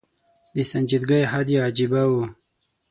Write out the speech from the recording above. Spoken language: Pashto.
د سنجیدګۍ حد یې عجېبه و.